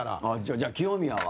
じゃあ、清宮は？